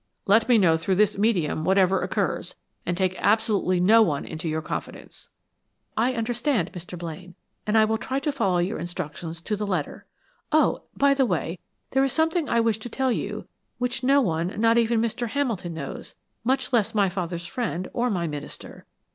Let me know through this medium whatever occurs, and take absolutely no one into your confidence." "I understand, Mr. Blaine; and I will try to follow your instructions to the letter. Oh, by the way, there is something I wish to tell you, which no one, not even Mr. Hamilton, knows, much less my father's friends, or my minister.